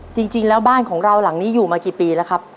จริงแล้วบ้านของเราหลังนี้อยู่มากี่ปีแล้วครับ